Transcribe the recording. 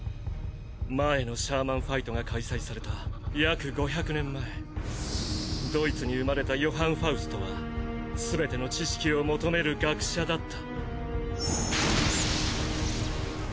前のシャーマンファイトが開催された約５００年前ドイツに生まれたヨハン・ファウストはすべての知識を求める学者だった。